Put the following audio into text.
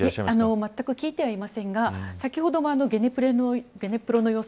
まったく聞いてはいませんが先ほどもゲネプロの様子